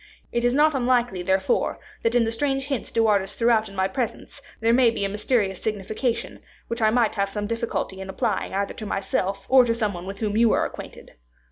It is not unlikely, therefore, that in the strange hints De Wardes threw out in my presence, there may be a mysterious signification, which I might have some difficulty in applying either to myself or to some one with whom you are acquainted.